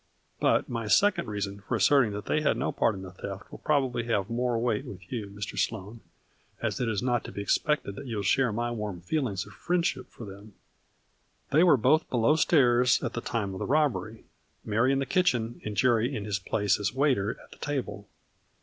But my second reason for as serting that they had no part in the theft will probably have more weight with you, Mr. Sloane, as it is not to be expected that you will share my warm feelings of friendship for them. They were both below stairs at the time of the robbery. Mary in the kitchen and Jerry in his place as waiter at the table.